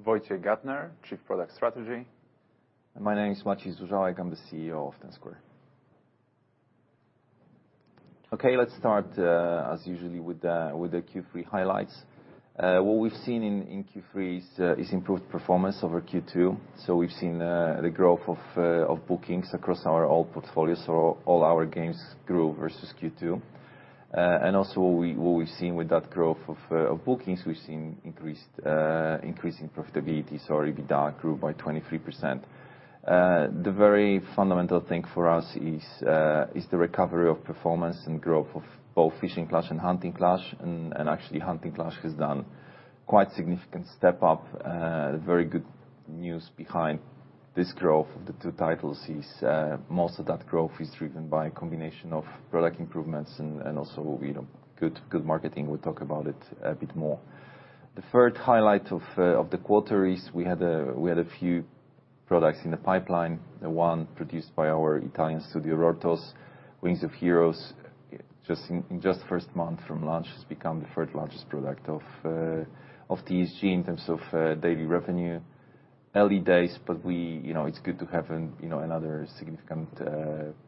Wojciech Gattner, Chief Product Strategy. My name is Maciej Zużałek. I'm the CEO of Ten Square. Okay, let's start as usually with the Q3 highlights. What we've seen in Q3 is improved performance over Q2. We've seen the growth of bookings across our old portfolios. All our games grew versus Q2. What we've seen with that growth of bookings, we've seen increase in profitability. EBITDA grew by 23%. The very fundamental thing for us is the recovery of performance and growth of both Fishing Clash and Hunting Clash and, actually, Hunting Clash has done quite significant step up. Very good news behind this growth of the two titles is most of that growth is driven by a combination of product improvements and also, you know, good marketing. We'll talk about it a bit more. The third highlight of the quarter is we had a few products in the pipeline. The one produced by our Italian studio, Rortos, Wings of Heroes, in just first month from launch, has become the third largest product of TSG in terms of daily revenue. Early days. You know, it's good to have, you know, another significant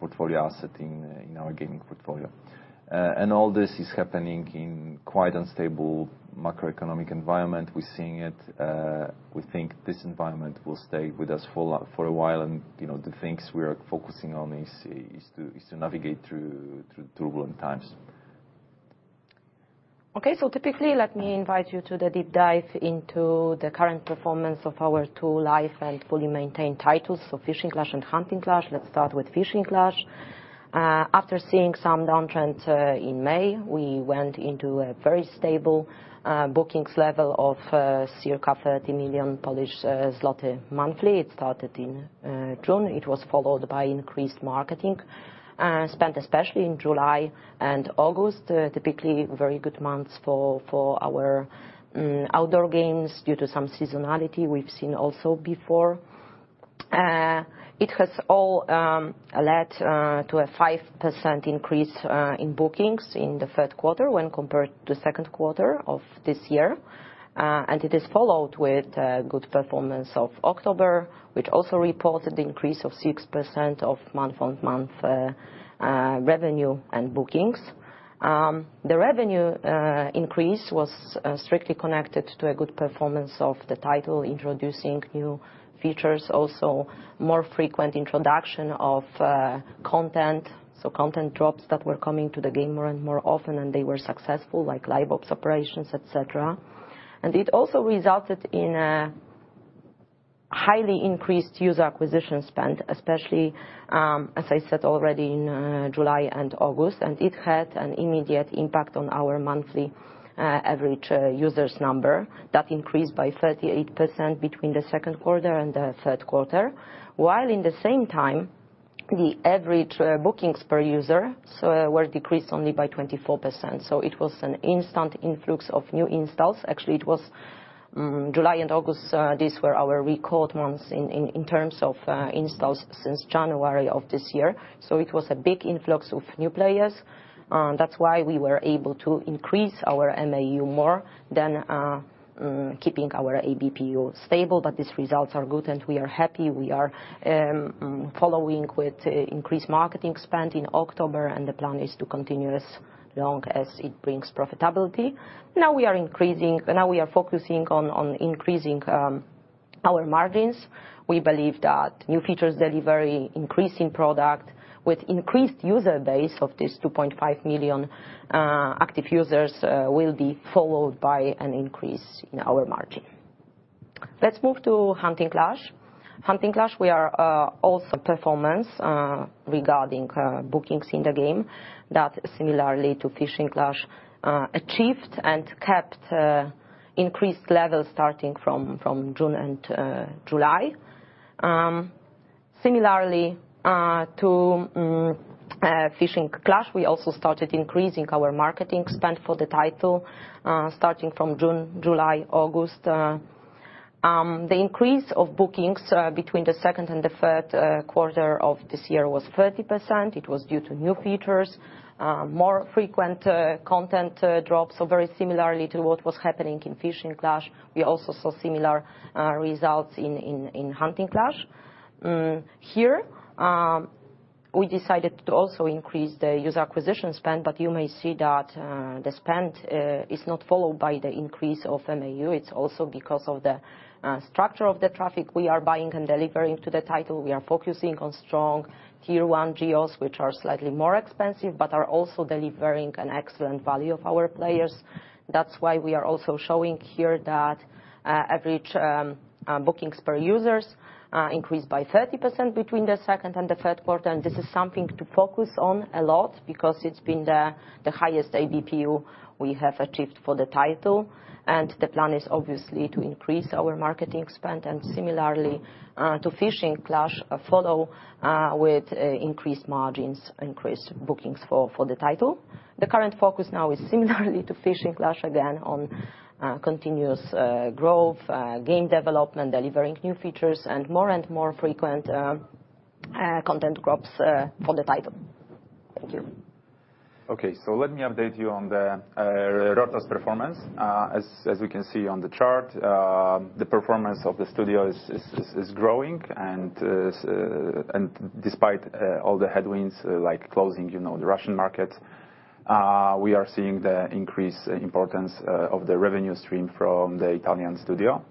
portfolio asset in our gaming portfolio. All this is happening in quite unstable macroeconomic environment. We're seeing it. We think this environment will stay with us for a while. You know, the things we are focusing on is to navigate through turbulent times. Typically, let me invite you to the deep dive into the current performance of our two live and fully maintained titles, so Fishing Clash and Hunting Clash. Let's start with Fishing Clash. After seeing some downtrend in May, we went into a very stable bookings level of circa 30 million Polish zloty monthly. It started in June. It was followed by increased marketing spent especially in July and August. Typically very good months for our outdoor games due to some seasonality we've seen also before. It has all led to a 5% increase in bookings in the third quarter when compared to second quarter of this year. It is followed with good performance of October, which also reported increase of 6% of month-on-month revenue and bookings. The revenue increase was strictly connected to a good performance of the title, introducing new features, also more frequent introduction of content, so content drops that were coming to the game more and more often, and they were successful, like LiveOps, operations, et cetera. It also resulted in a highly increased user acquisition spend, especially as I said already in July and August. It had an immediate impact on our monthly average users number. That increased by 38% between the second quarter and the third quarter, while in the same time, the average bookings per user were decreased only by 24%. It was an instant influx of new installs. Actually, it was July and August. These were our record months in terms of installs since January of this year. It was a big influx of new players. That's why we were able to increase our MAU more than keeping our ABPU stable. These results are good, and we are happy. We are following with increased marketing spend in October, and the plan is to continue as long as it brings profitability. Now we are focusing on increasing our margins. We believe that new features deliver increasing product with increased user base of these 2.5 million active users will be followed by an increase in our margin. Let's move to Hunting Clash. Hunting Clash, we are also performance regarding bookings in the game that similarly to Fishing Clash achieved and kept increased levels starting from June and July. Similarly to Fishing Clash, we also started increasing our marketing spend for the title starting from June, July, August. The increase of bookings between the second and the third quarter of this year was 30%. It was due to new features, more frequent content drops. Very similarly to what was happening in Fishing Clash, we also saw similar results in Hunting Clash. Here, we decided to also increase the user acquisition spend, but you may see that the spend is not followed by the increase of MAU. It's also because of the structure of the traffic we are buying and delivering to the title. We are focusing on strong tier one geos, which are slightly more expensive, but are also delivering an excellent value of our players. That's why we are also showing here that average bookings per users increased by 30% between the second and the third quarter. This is something to focus on a lot because it's been the highest ABPU we have achieved for the title. The plan is obviously to increase our marketing spend and similarly to Fishing Clash follow with increased margins, increased bookings for the title. The current focus now is similarly to Fishing Clash, again, on continuous growth, game development, delivering new features and more and more frequent content drops for the title. Thank you. Let me update you on the Rortos performance. As we can see on the chart, the performance of the studio is growing and despite all the headwinds like closing, you know, the Russian market, we are seeing the increased importance of the revenue stream from the Italian studio.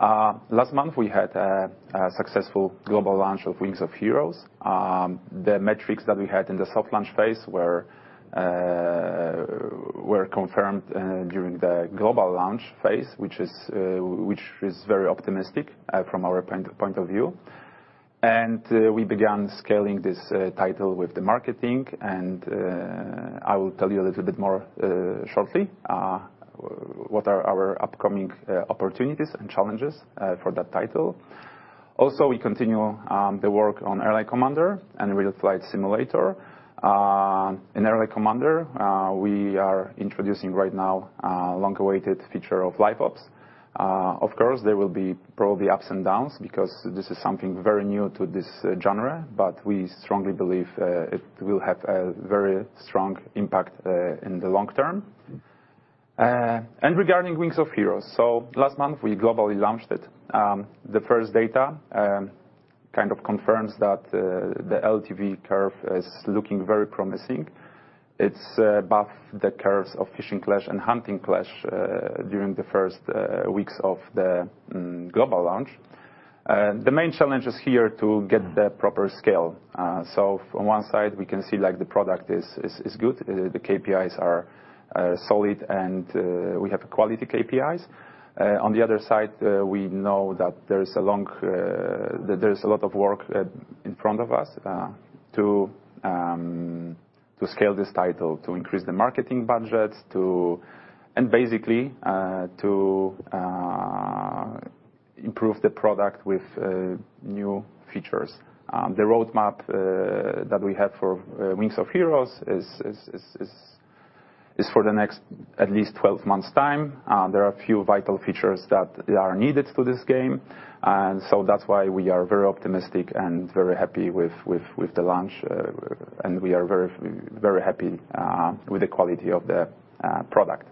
Last month, we had a successful global launch of Wings of Heroes. The metrics that we had in the soft launch phase were confirmed during the global launch phase, which is very optimistic from our point of view. We began scaling this title with the marketing and I will tell you a little bit more shortly what are our upcoming opportunities and challenges for that title. Also, we continue the work on Airline Commander and Real Flight Simulator. In Airline Commander, we are introducing right now long-awaited feature of LiveOps. Of course, there will be probably ups and downs because this is something very new to this genre, but we strongly believe it will have a very strong impact in the long term. Regarding Wings of Heroes, so last month we globally launched it. The first data kind of confirms that the LTV curve is looking very promising. It's above the curves of Fishing Clash and Hunting Clash during the first weeks of the global launch. The main challenge is here to get the proper scale. From one side, we can see like, the product is good. The KPIs are solid and we have quality KPIs. On the other side, we know that there's a lot of work in front of us to scale this title, to increase the marketing budget, to improve the product with new features. The roadmap that we have for Wings of Heroes is for the next, at least 12 months' time. There are a few vital features that are needed to this game. That's why we are very optimistic and very happy with the launch, and we are very happy with the quality of the product.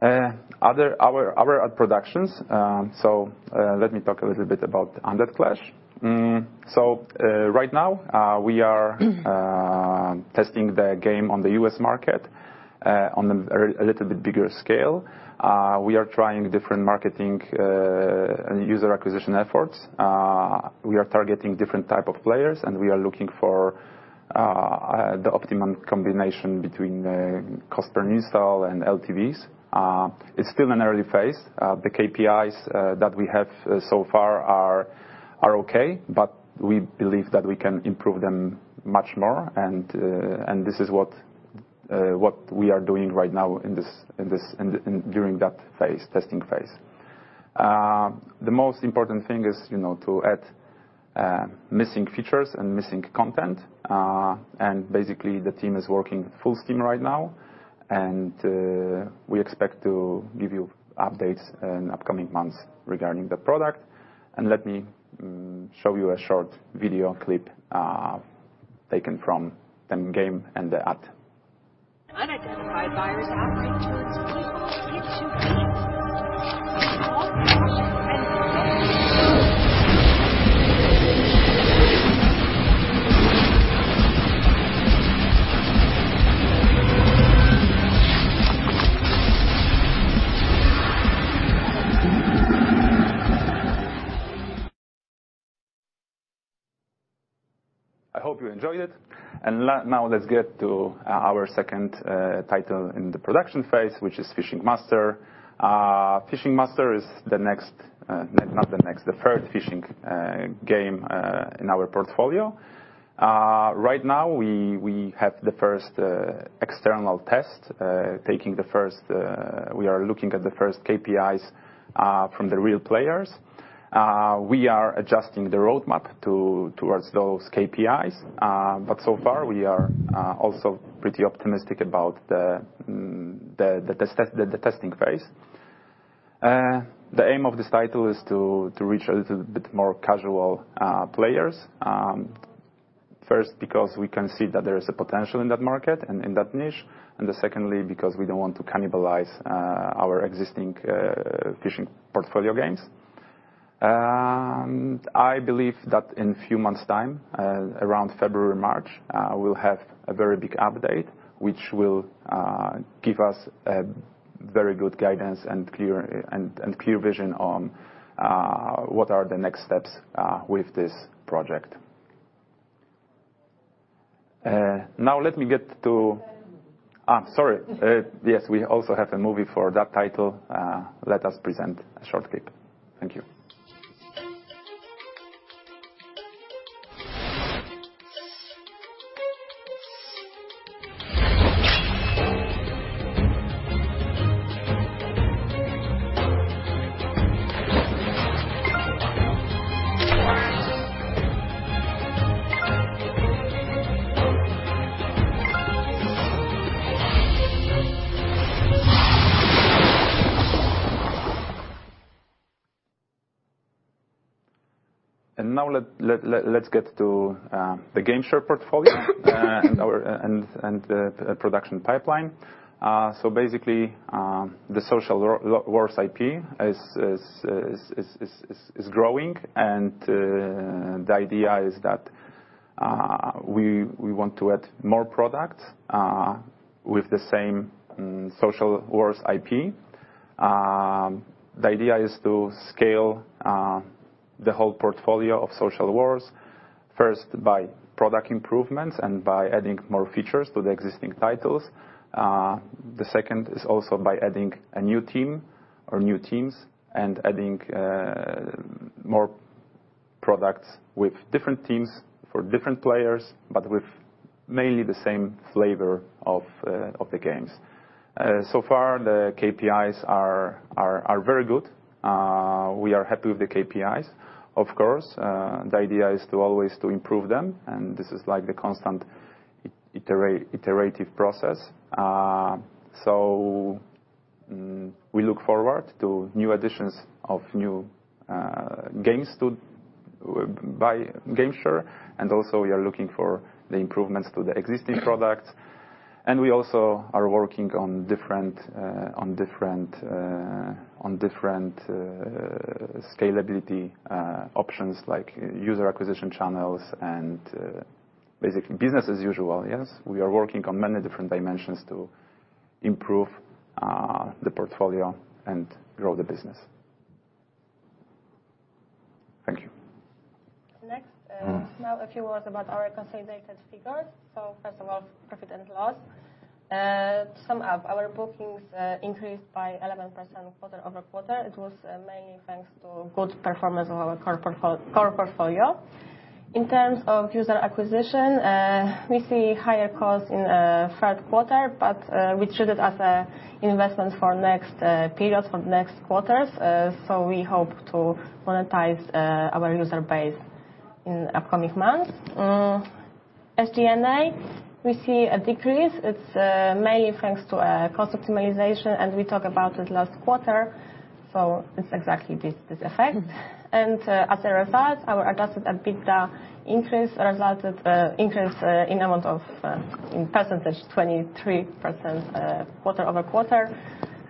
Our other productions, let me talk a little bit about Undead Clash. Right now, we are testing the game on the U.S. market on a little bit bigger scale. We are trying different marketing and user acquisition efforts. We are targeting different type of players, and we are looking for the optimum combination between the cost per install and LTVs. It's still an early phase. The KPIs that we have so far are okay, but we believe that we can improve them much more. This is what we are doing right now during that phase, testing phase. The most important thing is, you know, to add missing features and missing content. Basically the team is working full steam right now. We expect to give you updates in upcoming months regarding the product. Let me show you a short video clip taken from the game and the ad. Unidentified virus outbreak turns people into beasts. I hope you enjoyed it. Now let's get to our second title in the production phase, which is Fishing Masters. Fishing Masters is the third fishing game in our portfolio. Right now, we have the first external test. We are looking at the first KPIs from the real players. We are adjusting the roadmap towards those KPIs. So far, we are also pretty optimistic about the testing phase. The aim of this title is to reach a little bit more casual players. First, because we can see that there is a potential in that market and in that niche. Secondly, because we don't want to cannibalize our existing fishing portfolio games. I believe that in few months' time, around February, March, we'll have a very big update, which will give us a very good guidance and clear vision on what are the next steps with this project. Sorry. Yes, we also have a movie for that title. Let us present a short clip. Thank you. Now let's get to the Gamesture portfolio and our production pipeline. Basically, the Social Wars IP is growing and the idea is that we want to add more products with the same Social Wars IP. The idea is to scale the whole portfolio of Social Wars, first by product improvements and by adding more features to the existing titles. The second is also by adding a new team or new teams and adding more products with different teams for different players, but with mainly the same flavor of the games. So far, the KPIs are very good. We are happy with the KPIs, of course. The idea is to always improve them, and this is like the constant iterative process. We look forward to new additions of new games by Gamesture. We are looking for the improvements to the existing products. We also are working on different scalability options like user acquisition channels and basically business as usual. Yes, we are working on many different dimensions to improve the portfolio and grow the business. Thank you. Next. Mm. Now a few words about our consolidated figures. First of all, profit and loss. To sum up, our bookings increased by 11% quarter-over-quarter. It was mainly thanks to good performance of our core portfolio. In terms of user acquisition, we see higher costs in third quarter, but we treat it as a investment for next period, for next quarters. We hope to monetize our user base in upcoming months. SG&A, we see a decrease. It's mainly thanks to cost optimization, and we talked about it last quarter, so it's exactly this effect. As a result, our adjusted EBITDA increase resulted increase in amount of in percentage, 23% quarter-over-quarter.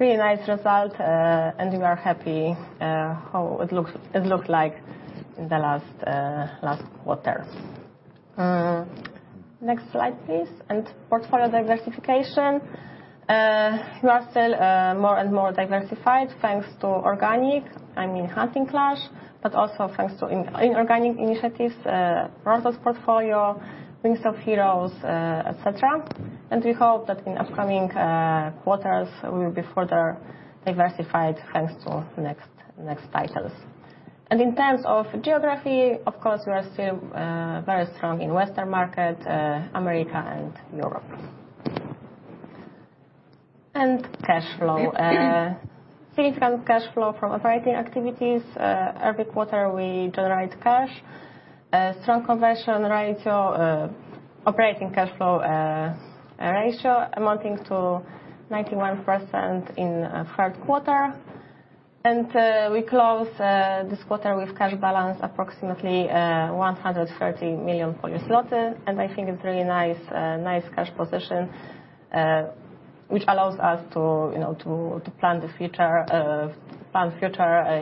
Really nice result, uh, and we are happy, uh, how it looks, it looked like in the last, uh, last quarter. Uh, next slide, please. And portfolio diversification. Uh, we are still, uh, more and more diversified thanks to organic, I mean, Hunting Clash, but also thanks to in-inorganic initiatives, uh, Rortos portfolio, Wings of Heroes, uh, et cetera. And we hope that in upcoming, uh, quarters, we will be further diversified thanks to next titles. And in terms of geography, of course, we are still, uh, very strong in Western market, uh, America and Europe. And cash flow. Uh, significant cash flow from operating activities. Uh, every quarter, we generate cash. Uh, strong conversion ratio, uh, operating cash flow, uh, ratio amounting to ninety-one percent in, uh, third quarter. And, uh, we close, uh, this quarter with cash balance approximately, uh, 130 million. I think it's really nice cash position, which allows us to, you know, plan the future,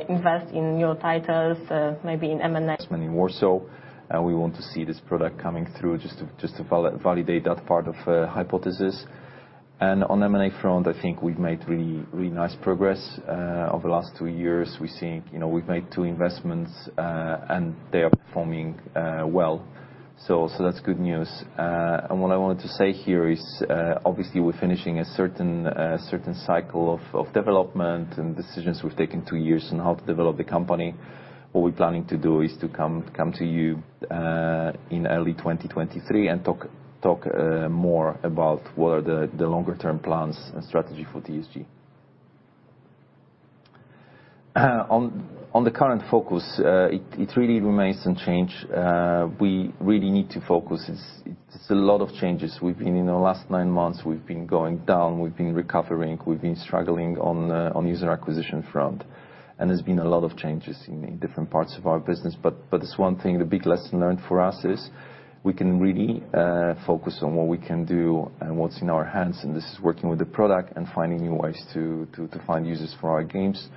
invest in new titles, maybe in M&A. Many more so, we want to see this product coming through just to validate that part of a hypothesis. On M&A front, I think we've made really, really nice progress over the last two years. We're seeing, you know, we've made two investments and they are performing well. That's good news. What I wanted to say here is obviously we're finishing a certain cycle of development and decisions we've taken two years on how to develop the company. What we're planning to do is to come to you in early 2023 and talk more about what are the longer term plans and strategy for TSG. On the current focus, it really remains unchanged. We really need to focus. It's a lot of changes. We've been, you know, last nine months, we've been going down, we've been recovering, we've been struggling on user acquisition front. There's been a lot of changes in different parts of our business. It's one thing, the big lesson learned for us is we can really focus on what we can do and what's in our hands, and this is working with the product and finding new ways to find users for our games.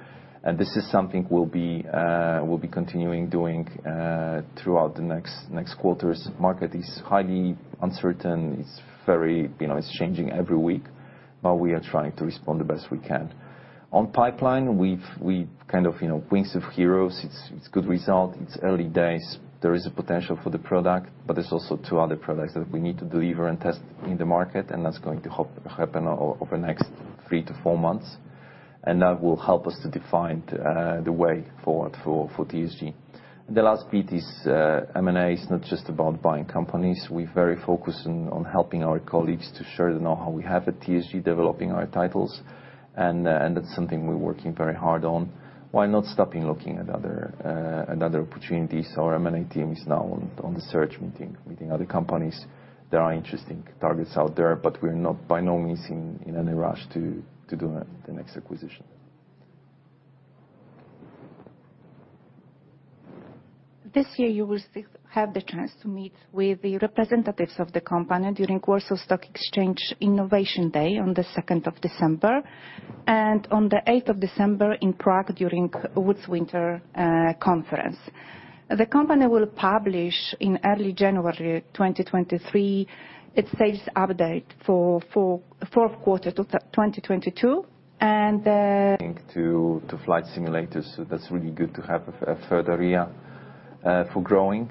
This is something we'll be continuing doing throughout the next quarters. Market is highly uncertain. It's very, you know, it's changing every week, but we are trying to respond the best we can. On pipeline, we kind of, you know, Wings of Heroes, it's good result. It's early days. There is a potential for the product, but there's also two other products that we need to deliver and test in the market, and that's going to hop-happen o-over the next three to four months. And that will help us to define the, uh, the way forward for TSG. The last bit is, uh, M&A is not just about buying companies. We're very focused on helping our colleagues to share the knowhow we have at TSG, developing our titles, and, uh, and that's something we're working very hard on. While not stopping looking at other, uh, at other opportunities, our M&A team is now on the search, meeting other companies. There are interesting targets out there, but we're not by no means in any rush to do it, the next acquisition. This year, you will still have the chance to meet with the representatives of the company during Warsaw Stock Exchange Innovation Day on the second of December, and on the eighth of December in Prague during Wood & Company Winter Conference. The company will publish in early January 2023 its status update for fourth quarter to 2022. I think to flight simulators. That's really good to have a further area for growing.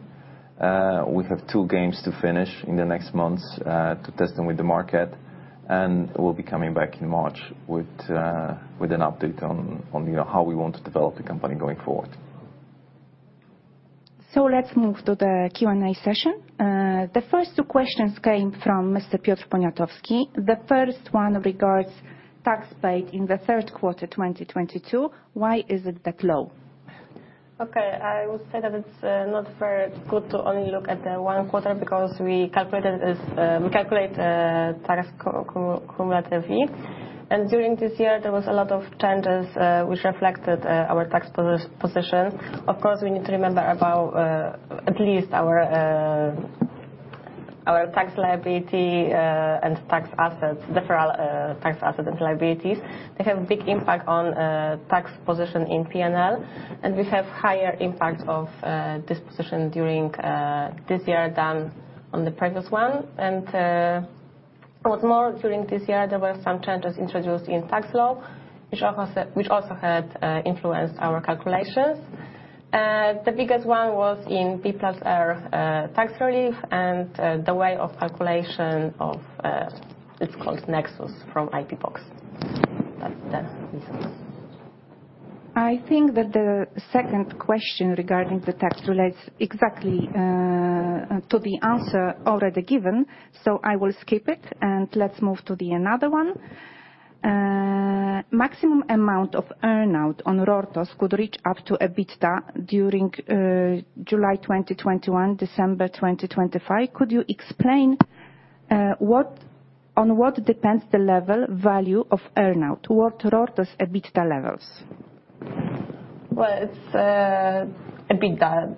We have two games to finish in the next months to test them with the market, and we'll be coming back in March with an update on, you know, how we want to develop the company going forward. Let's move to the Q&A session. The first two questions came from Mr. Piotr Poniatowski. The first one regards tax paid in the third quarter 2022. Why is it that low? Okay, I would say that it's not very good to only look at the one quarter because we calculate tax cumulatively. During this year, there was a lot of changes which reflected our tax position. Of course, we need to remember about at least our tax liability and tax assets, deferral tax assets and liabilities. They have a big impact on tax position in P&L, and we have higher impact of this position during this year than on the previous one. What's more, during this year, there were some changes introduced in tax law, which also had influenced our calculations. The biggest one was in B+R tax relief and the way of calculation of, it's called Nexus from IP Box. That's the reasons. I think that the second question regarding the tax relates exactly to the answer already given. I will skip it, and let's move to the another one. Maximum amount of earn-out on Rortos could reach up to EBITDA during July 2021-December 2025. Could you explain on what depends the level value of earn-out? What Rortos EBITDA levels? Well, it's EBITDA.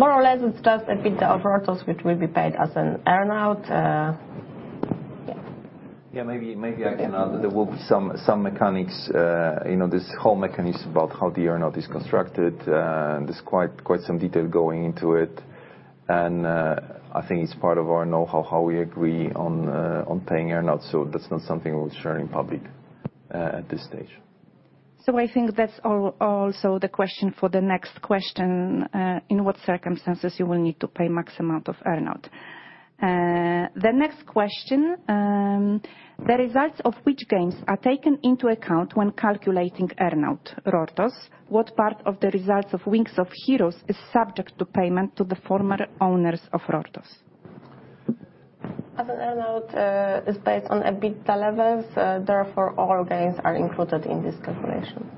More or less, it's just EBITDA of Rortos which will be paid as an earn-out, yeah. Yeah, maybe I can add. There will be some mechanics, you know, this whole mechanism about how the earn-out is constructed. I think it's part of our know-how, how we agree on paying earn-out, so that's not something we'll share in public at this stage. I think that's also the question for the next question, in what circumstances you will need to pay max amount of earn-out. The next question, the results of which games are taken into account when calculating earn-out Rortos? What part of the results of Wings of Heroes is subject to payment to the former owners of Rortos? As earn-out is based on EBITDA levels, therefore all games are included in this calculation.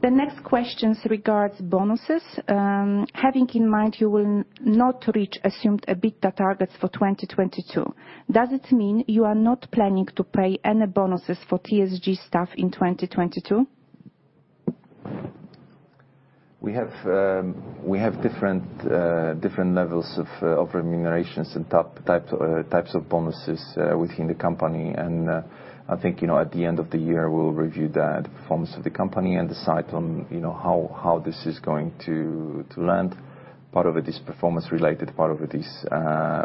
The next questions regards bonuses. Having in mind you will not reach assumed EBITDA targets for 2022, does it mean you are not planning to pay any bonuses for TSG staff in 2022? We have different levels of remunerations and types of bonuses within the company. I think, you know, at the end of the year, we'll review the performance of the company and decide on, you know, how this is going to land. Part of it is performance-related. Part of it is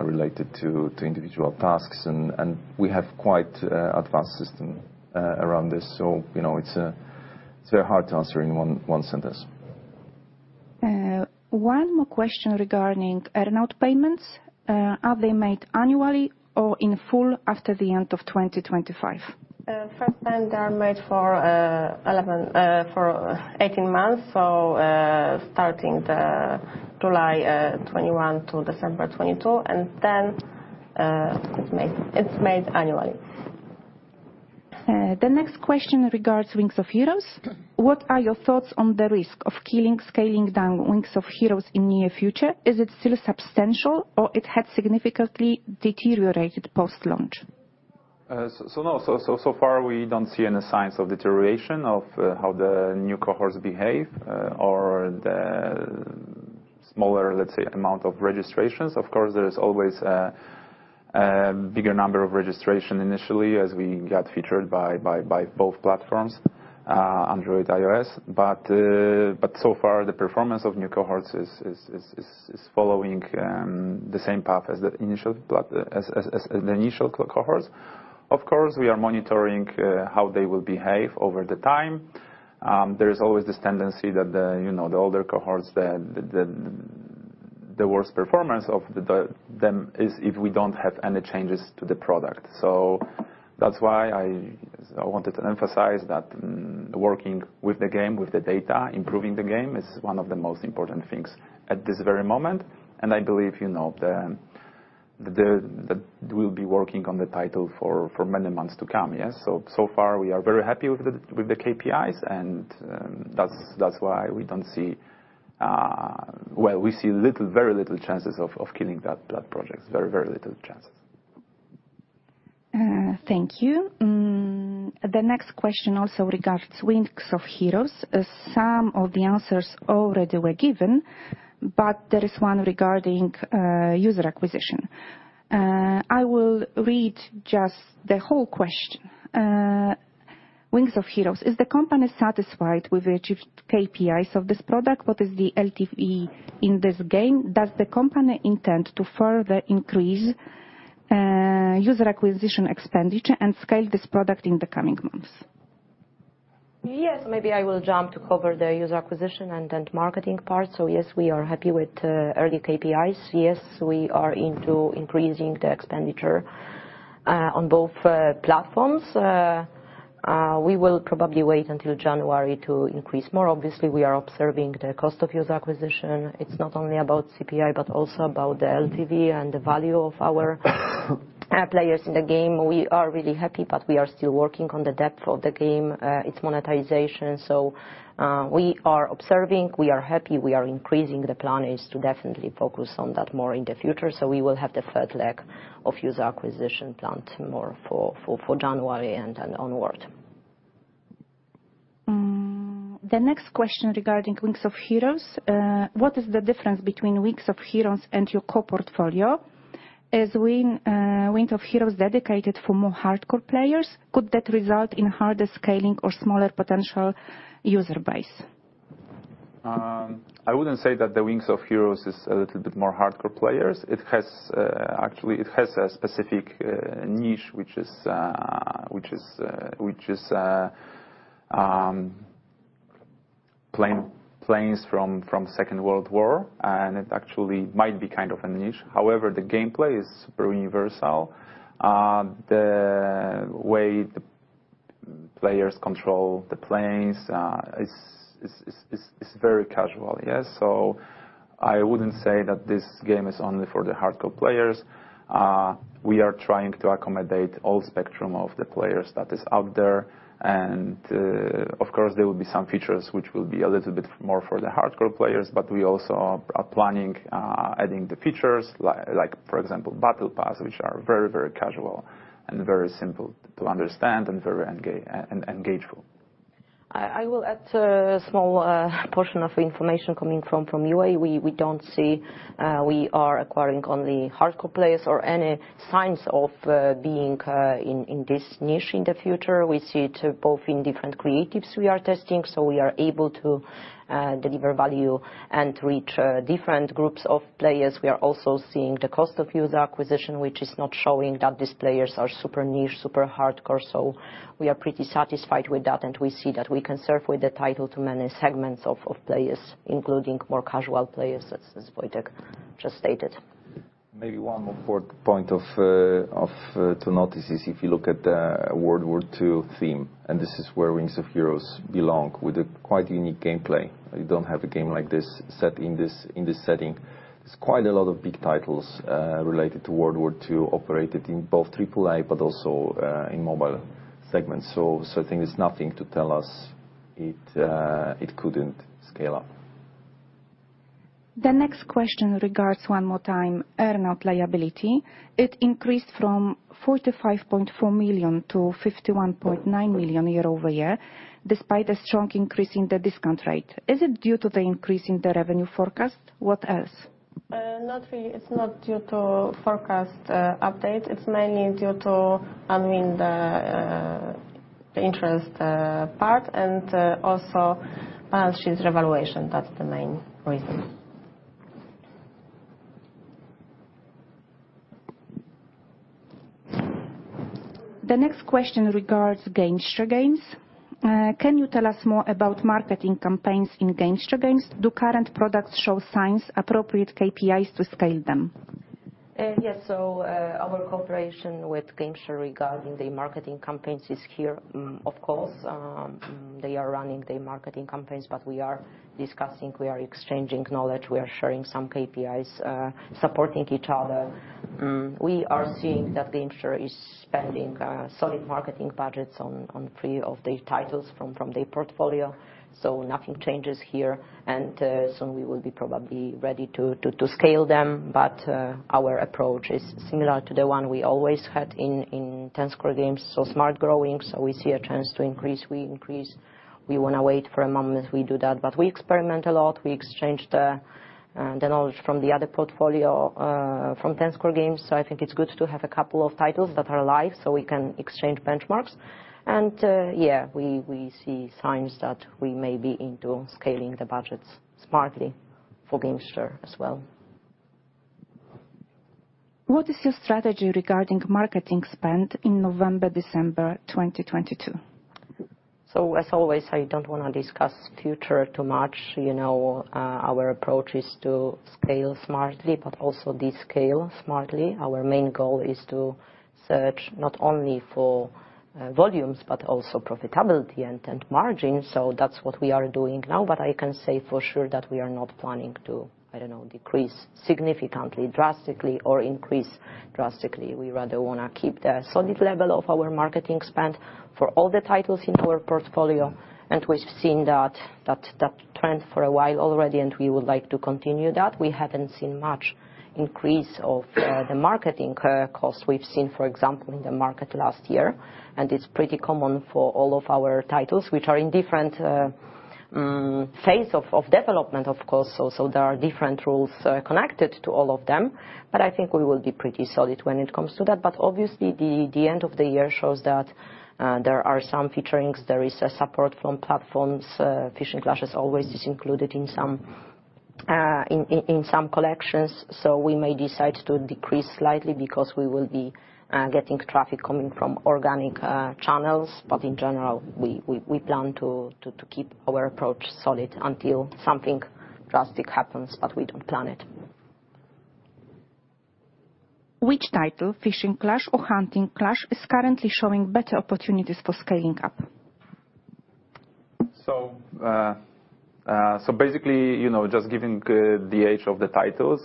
related to individual tasks and we have quite advanced system around this. You know, it's very hard to answer in one sentence. One more question regarding earn-out payments. Are they made annually or in full after the end of 2025? First time they are made for 18 months. Starting the July 2021 to December 2022, and then it's made annually. The next question regards Wings of Heroes. What are your thoughts on the risk of killing, scaling down Wings of Heroes in near future? Is it still substantial or it had significantly deteriorated post-launch? So far we don't see any signs of deterioration of how the new cohorts behave or the smaller, let's say, amount of registrations. Of course, there is always a bigger number of registration initially as we got featured by both platforms, Android, iOS. So far, the performance of new cohorts is following the same path as the initial cohorts. Of course, we are monitoring how they will behave over the time. There is always this tendency that the, you know, the older cohorts, the worst performance of them is if we don't have any changes to the product. That's why I wanted to emphasize that working with the game, with the data, improving the game is one of the most important things at this very moment. I believe, you know, we'll be working on the title for many months to come, yeah. So far we are very happy with the KPIs and that's why, well, we see very little chances of killing that project. Very little chances. Thank you. The next question also regards Wings of Heroes. Some of the answers already were given, but there is one regarding user acquisition. I will read just the whole question. Wings of Heroes. Is the company satisfied with the achieved KPIs of this product? What is the LTV in this game? Does the company intend to further increase user acquisition expenditure and scale this product in the coming months? Yes. Maybe I will jump to cover the user acquisition and marketing part. Yes, we are happy with early KPIs. Yes, we are into increasing the expenditure on both platforms. We will probably wait until January to increase more. Obviously, we are observing the cost of user acquisition. It is not only about CPI, but also about the LTV and the value of our players in the game. We are really happy, but we are still working on the depth of the game, its monetization. We are observing, we are happy, we are increasing. The plan is to definitely focus on that more in the future. We will have the third leg of user acquisition planned more for January and onward. The next question regarding Wings of Heroes. What is the difference between Wings of Heroes and your core portfolio? Is Wings of Heroes dedicated for more hardcore players? Could that result in harder scaling or smaller potential user base? I wouldn't say that the Wings of Heroes is a little bit more hardcore players. Actually, it has a specific niche, which is planes from Second World War, and it actually might be kind of a niche. However, the gameplay is very universal. The way the players control the planes is very casual. Yes? I wouldn't say that this game is only for the hardcore players. We are trying to accommodate all spectrum of the players that is out there. Of course, there will be some features which will be a little bit more for the hardcore players, but we also are planning adding the features like, for example, battle pass, which are very casual and very simple to understand and very engageable. I will add a small portion of information coming from U.A. We don't see we are acquiring only hardcore players or any signs of being in this niche in the future. We see it both in different creatives we are testing, so we are able to deliver value and reach different groups of players. We are also seeing the cost of user acquisition, which is not showing that these players are super niche, super hardcore. We are pretty satisfied with that, and we see that we can serve with the title to many segments of players, including more casual players, as Wojciech just stated. Maybe one more point to notice is if you look at the World War II theme, and this is where Wings of Heroes belong with a quite unique gameplay. You don't have a game like this set in this setting. There's quite a lot of big titles related to World War II operated in both AAA, but also in mobile segment. I think there's nothing to tell us it couldn't scale up. The next question regards one more time earnout liability. It increased from forty-five point four million to fifty-one point nine million year over year, despite a strong increase in the discount rate. Is it due to the increase in the revenue forecast? What else? Not really. It's not due to forecast update. It's mainly due to, I mean, the interest part and also balance sheet revaluation. That's the main reason. The next question regards Gamesture Games. Can you tell us more about marketing campaigns in Gamesture Games? Do current products show signs appropriate KPIs to scale them? Yes. Our cooperation with Gamesture regarding the marketing campaigns is here. Of course, they are running their marketing campaigns, but we are discussing, we are exchanging knowledge, we are sharing some KPIs, supporting each other. We are seeing that Gamesture is spending solid marketing budgets on three of the titles from their portfolio, so nothing changes here. Soon we will be probably ready to scale them. Our approach is similar to the one we always had in Ten Square Games. Smart growing, so we see a chance to increase, we increase. We wanna wait for a moment we do that. We experiment a lot. We exchange the knowledge from the other portfolio from Ten Square Games. I think it's good to have a couple of titles that are live so we can exchange benchmarks. Yeah, we see signs that we may be into scaling the budgets smartly for Gamesture as well. What is your strategy regarding marketing spend in November, December 2022? As always, I don't wanna discuss future too much. You know, our approach is to scale smartly but also descale smartly. Our main goal is to search not only for volumes but also profitability and margin. That's what we are doing now, but I can say for sure that we are not planning to, I don't know, decrease significantly, drastically or increase drastically. We rather wanna keep the solid level of our marketing spend for all the titles into our portfolio, and we've seen that trend for a while already, and we would like to continue that. We haven't seen much increase of the marketing cost. We've seen, for example, in the market last year, and it's pretty common for all of our titles which are in different phase of development, of course. Also, there are different rules connected to all of them, but I think we will be pretty solid when it comes to that. Obviously, the end of the year shows that there are some featurings. There is a support from platforms. Fishing Clash always is included in some collections. We may decide to decrease slightly because we will be getting traffic coming from organic channels. In general, we plan to keep our approach solid until something drastic happens, but we don't plan it. Which title, Fishing Clash or Hunting Clash, is currently showing better opportunities for scaling up? Basically, you know, just giving the age of the titles,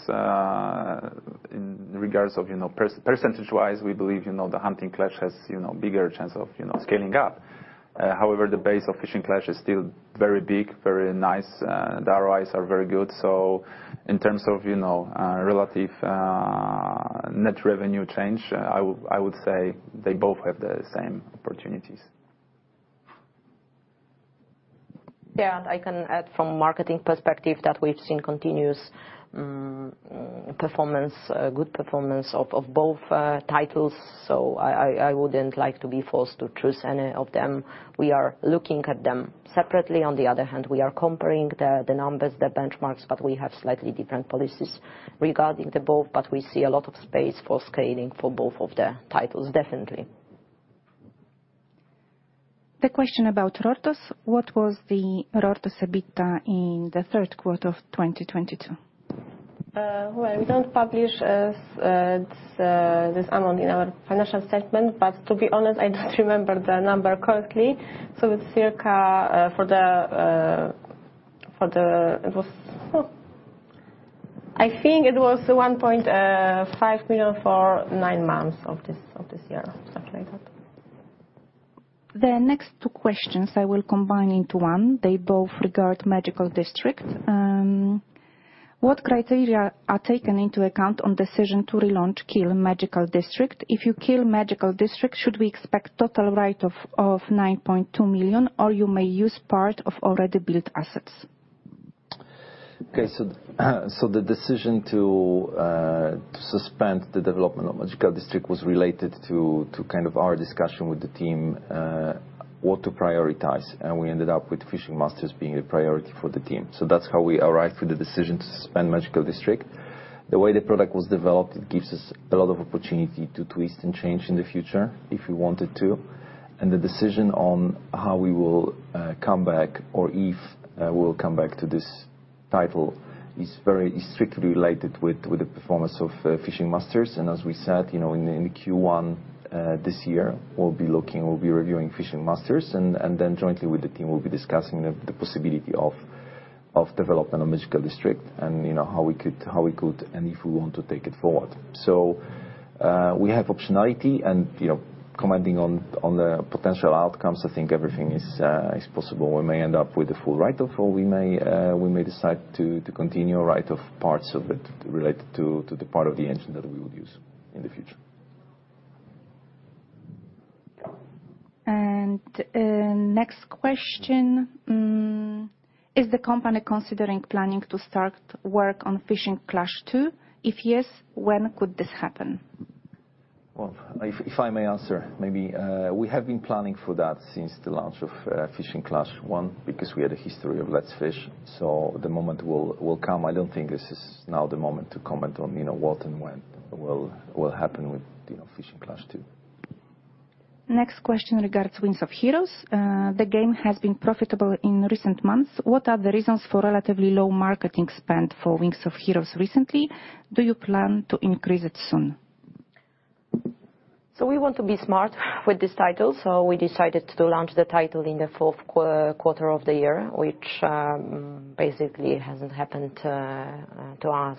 in regards of, you know, percentage-wise, we believe, you know, the Hunting Clash has, you know, bigger chance of, you know, scaling up. However, the base of Fishing Clash is still very big, very nice. The ROI are very good. In terms of, you know, relative net revenue change, I would say they both have the same opportunities. Yeah. I can add from marketing perspective that we've seen good performance of both titles. I wouldn't like to be forced to choose any of them. We are looking at them separately. On the other hand, we are comparing the numbers, the benchmarks, but we have slightly different policies regarding the both. We see a lot of space for scaling for both of the titles, definitely. The question about Rortos. What was the Rortos EBITDA in the third quarter of 2022? Well, we don't publish this amount in our financial statement, but to be honest, I just remember the number correctly. It's circa, I think it was 1.5 million for nine months of this year, something like that. The next two questions I will combine into one. They both regard Magical District. What criteria are taken into account on decision to kill Magical District? If you kill Magical District, should we expect total write-off of 9.2 million, or you may use part of already built assets? Okay. The decision to suspend the development of Magical District was related to kind of our discussion with the team what to prioritize, and we ended up with Fishing Masters being the priority for the team. That's how we arrived to the decision to suspend Magical District. The way the product was developed, it gives us a lot of opportunity to twist and change in the future if we wanted to. The decision on how we will come back or if we'll come back to this title is strictly related with the performance of Fishing Masters. As we said, you know, in Q1 this year, we'll be reviewing Fishing Masters and then jointly with the team, we'll be discussing the possibility of development on Magical District and, you know, how we could and if we want to take it forward. We have optionality and, you know, commenting on the potential outcomes, I think everything is possible. We may end up with a full write-off, or we may decide to continue write off parts of it related to the part of the engine that we would use in the future. Next question. Is the company considering planning to start work on Fishing Clash 2? If yes, when could this happen? Well, if I may answer maybe. We have been planning for that since the launch of Fishing Clash one because we had a history of Let's Fish. The moment will come. I don't think this is now the moment to comment on, you know, what and when will happen with, you know, Fishing Clash two. Next question regards Wings of Heroes. The game has been profitable in recent months. What are the reasons for relatively low marketing spend for Wings of Heroes recently? Do you plan to increase it soon? We want to be smart with this title, so we decided to launch the title in the fourth quarter of the year, which basically hasn't happened to us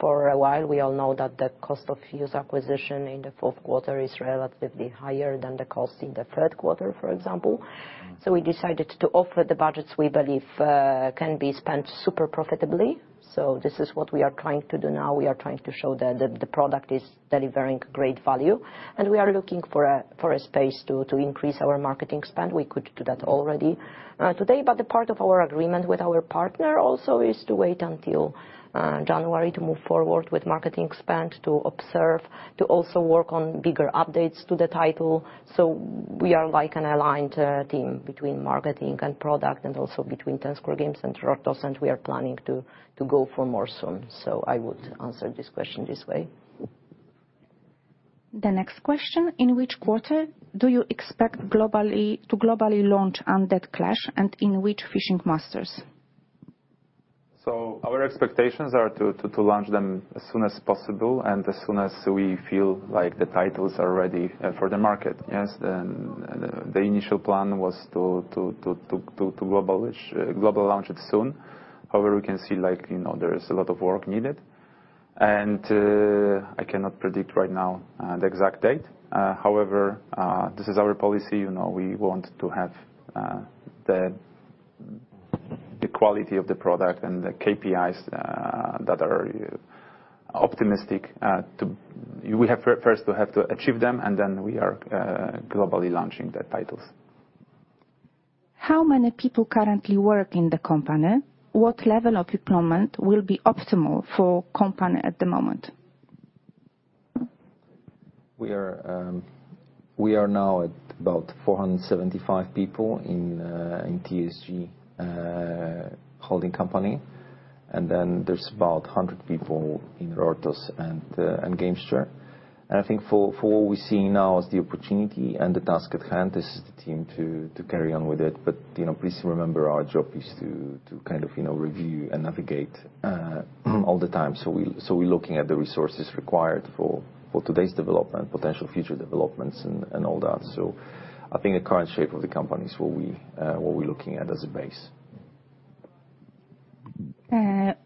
for a while. We all know that the cost of user acquisition in the fourth quarter is relatively higher than the cost in the third quarter, for example. We decided to offer the budgets we believe can be spent super profitably. This is what we are trying to do now. We are trying to show the product is delivering great value, and we are looking for a space to increase our marketing spend. We could do that already today. The part of our agreement with our partner also is to wait until January to move forward with marketing spend, to observe, to also work on bigger updates to the title. We are like an aligned team between marketing and product and also between Ten Square Games and Rortos, and we are planning to go for more soon. I would answer this question this way. The next question, in which quarter do you expect to globally launch Undead Clash, and in which Fishing Masters? Our expectations are to launch them as soon as possible and as soon as we feel like the titles are ready for the market. Yes, the initial plan was to global launch it soon. However, we can see like, you know, there is a lot of work needed, and I cannot predict right now the exact date. However, this is our policy. You know, we want to have the quality of the product and the KPIs that are optimistic. We have first to achieve them, and then we are globally launching the titles. How many people currently work in the company? What level of employment will be optimal for company at the moment? We are now at about 475 people in TSG holding company, and then there's about 100 people in Rortos and Gamesture. I think for what we see now as the opportunity and the task at hand, this is the team to carry on with it, but, you know, please remember our job is to kind of, you know, review and navigate all the time. We're looking at the resources required for today's development, potential future developments and all that. I think the current shape of the company is what we're looking at as a base.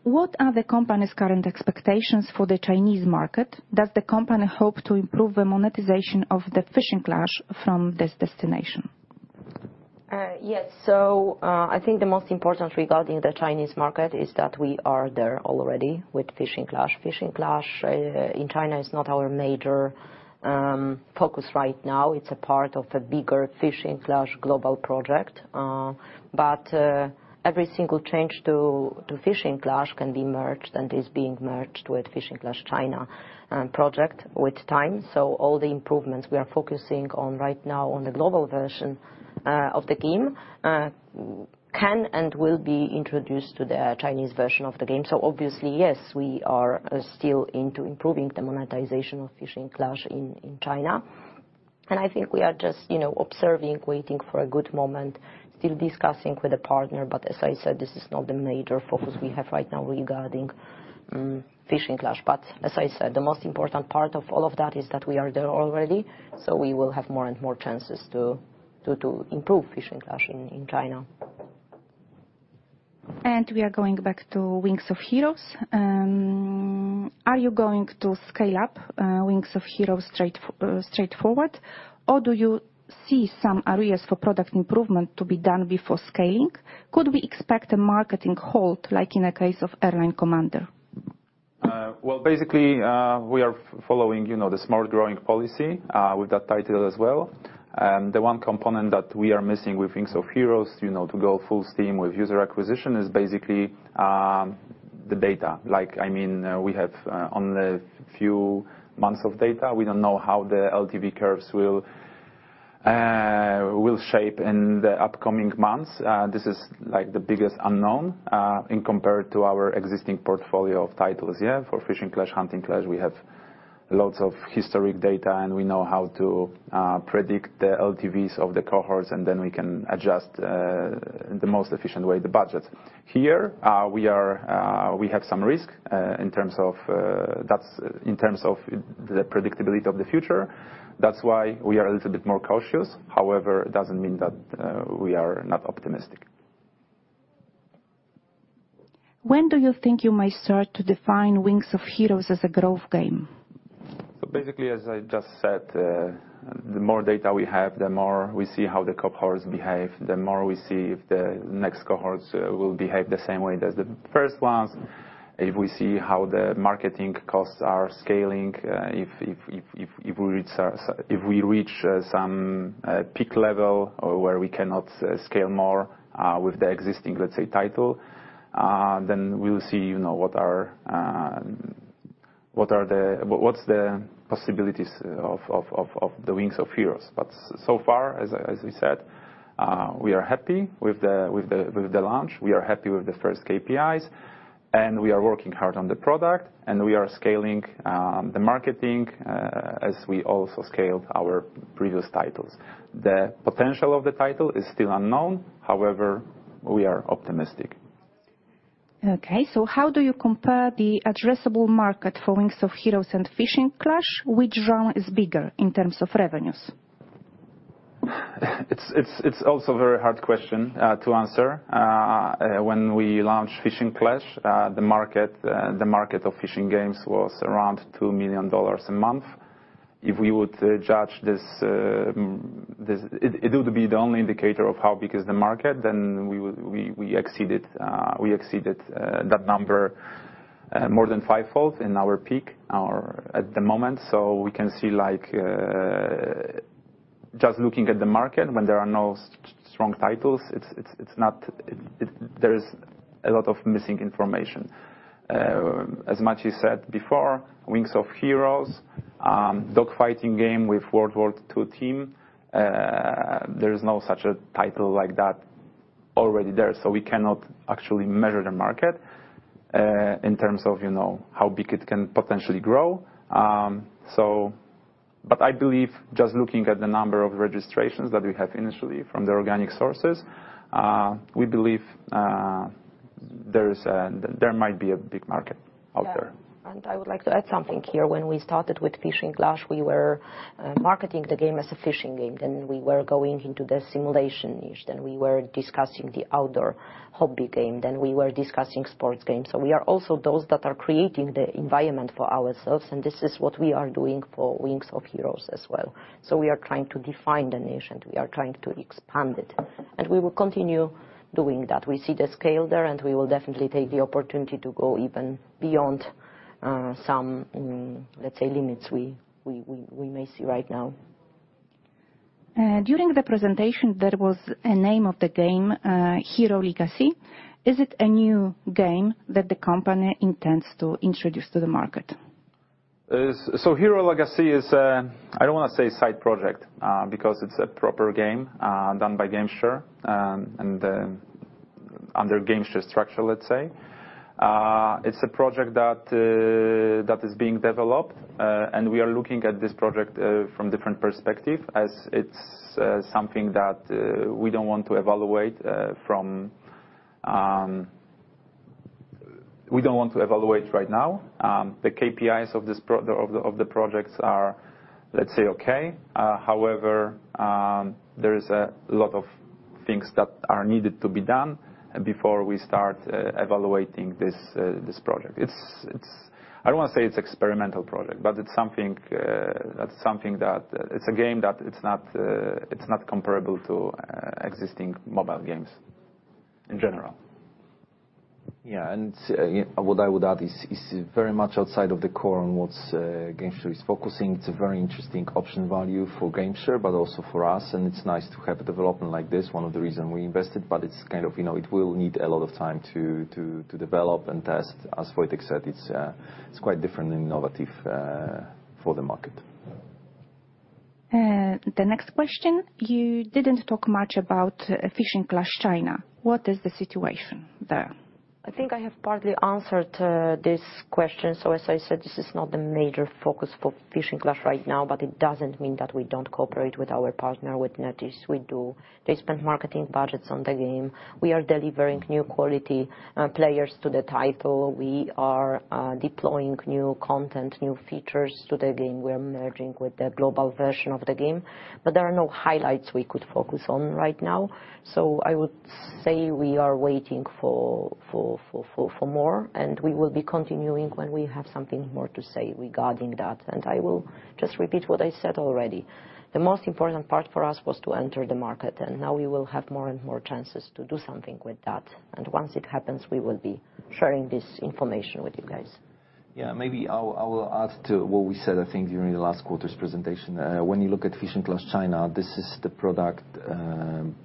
What are the company's current expectations for the Chinese market? Does the company hope to improve the monetization of the Fishing Clash from this destination? Yes, I think the most important regarding the Chinese market is that we are there already with Fishing Clash. Fishing Clash in China is not our major focus right now. It is a part of a bigger Fishing Clash global project. Every single change to Fishing Clash can be merged and is being merged with Fishing Clash China project with time. All the improvements we are focusing on right now on the global version of the game can and will be introduced to the Chinese version of the game. Obviously, yes, we are still into improving the monetization of Fishing Clash in China. I think we are just, you know, observing, waiting for a good moment, still discussing with the partner. As I said, this is not the major focus we have right now regarding Fishing Clash. As I said, the most important part of all of that is that we are there already, so we will have more and more chances to improve Fishing Clash in China. We are going back to Wings of Heroes. Are you going to scale up Wings of Heroes straightforward, or do you see some areas for product improvement to be done before scaling? Could we expect a marketing halt like in the case of Airline Commander? Well, basically, we are following, you know, the smart growing policy with that title as well. The one component that we are missing with Wings of Heroes, you know, to go full steam with user acquisition is basically the data. Like, I mean, we have only a few months of data. We don't know how the LTV curves will shape in the upcoming months. This is, like, the biggest unknown in compared to our existing portfolio of titles, yeah. For Fishing Clash, Hunting Clash, we have lots of historic data, and we know how to predict the LTVs of the cohorts, and then we can adjust the most efficient way, the budget. Here, we have some risk in terms of, that's in terms of the predictability of the future. That's why we are a little bit more cautious. However, it doesn't mean that we are not optimistic. When do you think you may start to define Wings of Heroes as a growth game? Basically, as I just said, the more data we have, the more we see how the cohorts behave, the more we see if the next cohorts will behave the same way as the first ones. If we see how the marketing costs are scaling, if we reach some peak level or where we cannot scale more with the existing, let's say, title, then we'll see, you know, what's the possibilities of the Wings of Heroes. So far, as I said, we are happy with the launch. We are happy with the first KPIs, and we are working hard on the product, and we are scaling the marketing as we also scaled our previous titles. The potential of the title is still unknown. However, we are optimistic. Okay. So how do you compare the addressable market for Wings of Heroes and Fishing Clash? Which round is bigger in terms of revenues? It's also a very hard question to answer. When we launched Fishing Clash, the market of fishing games was around $2 million a month. If we would judge this, it would be the only indicator of how big is the market, then we exceeded that number more than 5-fold in our peak or at the moment. We can see, like, just looking at the market when there are no strong titles, there is a lot of missing information. As Maciej said before, Wings of Heroes, dog fighting game with World War II theme, there's no such a title like that already there, so we cannot actually measure the market in terms of, you know, how big it can potentially grow. I believe just looking at the number of registrations that we have initially from the organic sources, we believe there might be a big market out there. Yeah. I would like to add something here. When we started with Fishing Clash, we were marketing the game as a fishing game. We were going into the simulation niche. We were discussing the outdoor hobby game. We were discussing sports games. We are also those that are creating the environment for ourselves, and this is what we are doing for Wings of Heroes as well. We are trying to define the niche, and we are trying to expand it. We will continue doing that. We see the scale there, and we will definitely take the opportunity to go even beyond some, let's say, limits we may see right now. During the presentation, there was a name of the game, Hero Legacy. Is it a new game that the company intends to introduce to the market? Is-- So Hero Legacy is, uh, I don't want to say side project, uh, because it's a proper game, uh, done by Gamesture, um, and, under Gamesture structure, let's say. Uh, it's a project that, uh, that is being developed, uh, and we are looking at this project, uh, from different perspective as it's, uh, something that, uh, we don't want to evaluate, uh, from, um... We don't want to evaluate right now. Um, the KPIs of this pro-- of the, of the project are, let's say, okay. Uh, however, um, there is a lot of things that are needed to be done before we start, uh, evaluating this, uh, this project. It's, it's-- I don't want to say it's experimental project, but it's something, uh, that's something that... It's a game that it's not, uh, it's not comparable to, uh, existing mobile games in general. Yeah. What I would add is very much outside of the core on what Gamesture is focusing. It's a very interesting option value for Gamesture, but also for us. It's nice to have a development like this, one of the reason we invested, but, you know, it will need a lot of time to develop and test. As Wojciech said, it's quite different and innovative for the market. The next question, you didn't talk much about Fishing Clash China. What is the situation there? I think I have partly answered this question. As I said, this is not the major focus for Fishing Clash right now, but it doesn't mean that we don't cooperate with our partner, with NetEase. We do. They spend marketing budgets on the game. We are delivering new quality players to the title. We are deploying new content, new features to the game. We are merging with the global version of the game. There are no highlights we could focus on right now. I would say we are waiting for more. We will be continuing when we have something more to say regarding that. I will just repeat what I said already. The most important part for us was to enter the market, and now we will have more and more chances to do something with that. Once it happens, we will be sharing this information with you guys. Yeah, maybe I will add to what we said, I think, during the last quarter's presentation. When you look at Fishing Clash China, this is the product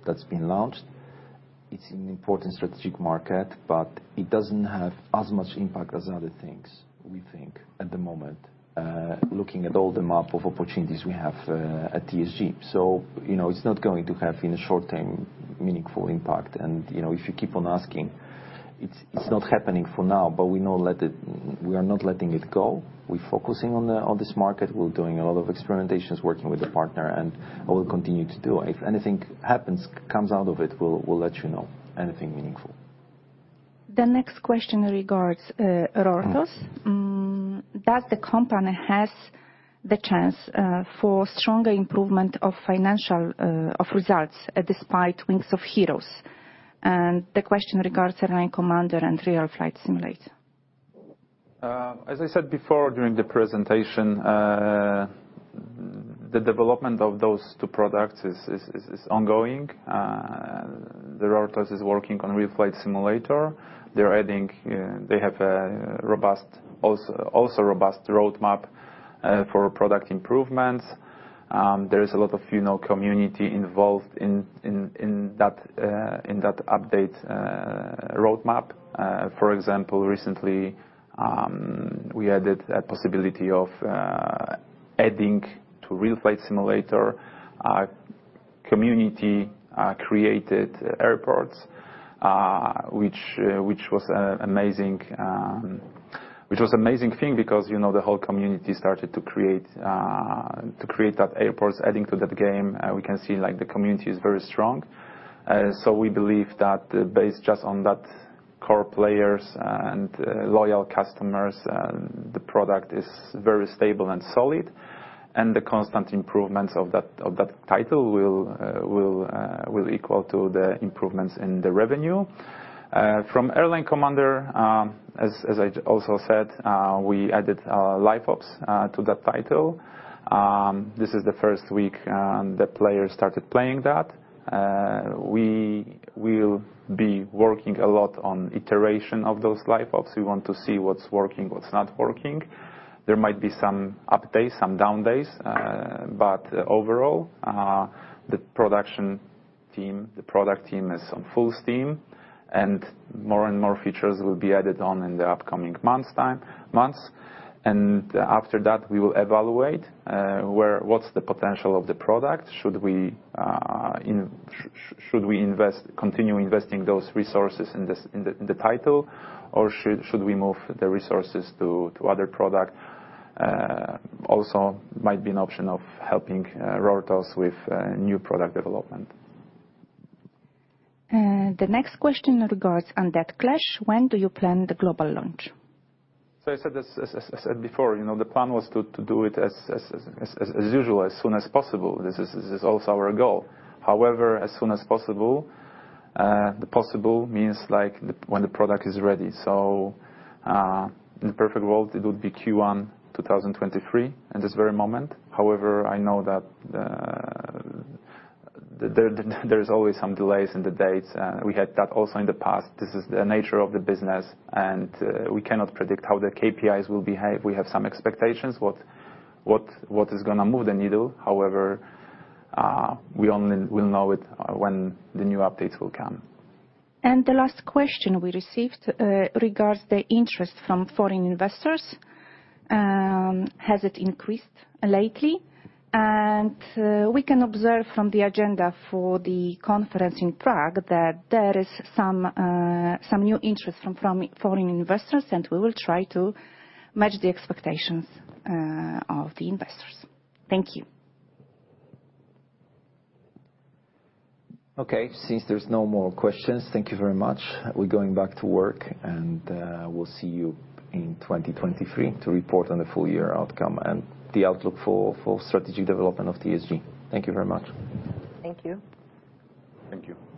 that's been launched. It's an important strategic market, but it doesn't have as much impact as other things, we think, at the moment, looking at all the map of opportunities we have at TSG. You know, it's not going to have, in the short term, meaningful impact. You know, if you keep on asking, it's not happening for now, but we are not letting it go. We're focusing on this market. We're doing a lot of experimentations, working with the partner, and I will continue to do. If anything happens, comes out of it, we'll let you know anything meaningful. The next question regards Rortos. Does the company has the chance for stronger improvement of financial results despite Wings of Heroes? The question regards Airline Commander and Real Flight Simulator. As I said before during the presentation, the development of those two products is ongoing. Rortos is working on Real Flight Simulator. They have a robust, also robust roadmap for product improvements. There is a lot of, you know, community involved in that update roadmap. For example, recently, we added a possibility of adding to Real Flight Simulator community created airports, which was amazing thing because, you know, the whole community started to create that airports adding to that game. We can see, like, the community is very strong. We believe that based just on that core players and loyal customers, the product is very stable and solid, and the constant improvements of that title will equal to the improvements in the revenue. From Airline Commander, as I also said, we added LiveOps to that title. This is the first week the players started playing that. We will be working a lot on iteration of those LiveOps. We want to see what's working, what's not working. There might be some up days, some down days, but overall, the production team, the product team is on full steam. More and more features will be added on in the upcoming months. After that, we will evaluate what's the potential of the product. Should we continue investing those resources in the title or should we move the resources to other product? Also might be an option of helping Rortos with new product development. The next question regards Undead Clash. When do you plan the global launch? As I said before, you know, the plan was to do it as usual, as soon as possible. This is also our goal. However, as soon as possible, the possible means like when the product is ready. In the perfect world, it would be Q1 2023, in this very moment. However, I know that there's always some delays in the dates. We had that also in the past. This is the nature of the business, and we cannot predict how the KPIs will behave. We have some expectations what is gonna move the needle. However, we only will know it when the new updates will come. The last question we received regards the interest from foreign investors. Has it increased lately? We can observe from the agenda for the conference in Prague that there is some new interest from foreign investors, and we will try to match the expectations of the investors. Thank you. Okay. Since there's no more questions, thank you very much. We're going back to work, and we'll see you in 2023 to report on the full-year outcome and the outlook for strategy development of TSG. Thank you very much. Thank you. Thank you.